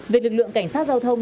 về lực lượng cảnh sát giao thông